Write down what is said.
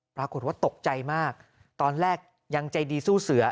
ปรากฏว่าตกใจมากตอนแรกยังใจดีสู้เสือ